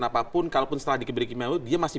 apapun kalau pun setelah dikebiri kimiawi dia masih